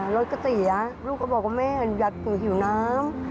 รถก๋อเตี๋ยวลูกก็บอกว่าแม่อยากถึงหิวน้ำ